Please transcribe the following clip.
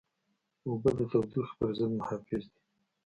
اوبه د تودوخې پر ضد محافظ دي.